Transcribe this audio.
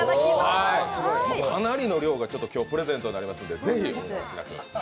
かなりの量がプレゼントとなりますので、是非。